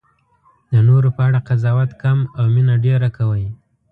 د نورو په اړه قضاوت کم او مینه ډېره کوئ.